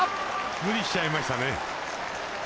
無理しちゃいましたね。